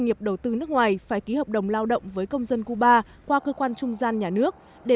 nghiệp đầu tư nước ngoài phải ký hợp đồng lao động với công dân cuba qua cơ quan trung gian nhà nước để